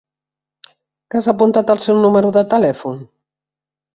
Que has apuntat el seu número de telèfon?